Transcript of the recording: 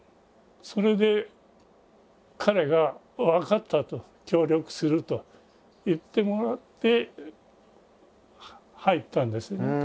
それで彼が「分かった」と「協力する」と言ってもらって入ったんですね。